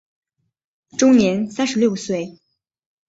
终年三十六岁。